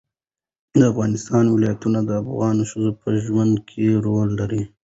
د افغانستان ولايتونه د افغان ښځو په ژوند کې رول لري.